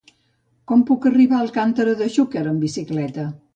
Com puc arribar a Alcàntera de Xúquer amb bicicleta?